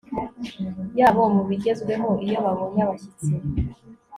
yabo mu bigezweho Iyo babonye abashyitsi